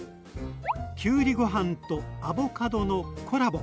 きゅうりご飯とアボカドのコラボ。